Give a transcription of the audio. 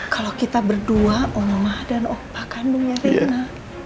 kalau kita berdua oma dan opa kan punya rena